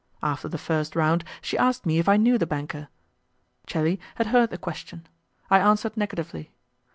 After the first round, she asked me if I knew the banker; Celi had heard the question; I answered negatively.